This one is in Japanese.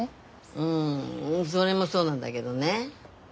うんそれもそうなんだげどね。